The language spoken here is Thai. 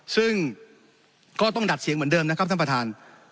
ซึ่งก็ต้องดัดเสียงเหมือนเดิมนะครับท่านประธาน